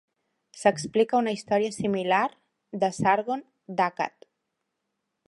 S'explica una història similar de Sargon d'Akkad.